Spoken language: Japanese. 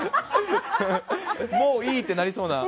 もういいってなりそうな。